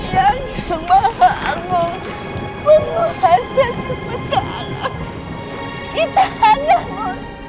yang kemahamu memuaskan semesta apa itu hanyamu